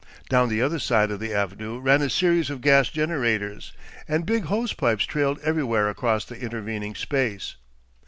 Down the other side of the avenue ran a series of gas generators, and big hose pipes trailed everywhere across the intervening space.